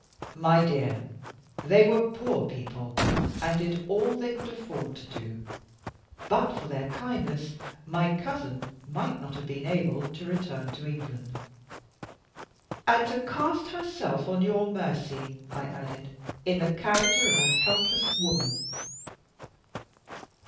"My dear, they were poor people, and did all they could afford to do. But for their kindness, my cousin might not have been able to return to England." "And to cast herself on your mercy," I added, "in the character of a helpless woman."